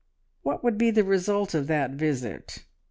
What would be the result of that visit?